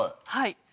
はい。